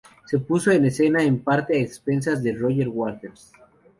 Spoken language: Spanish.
Se puso en escena en parte a expensas de Roger Waters.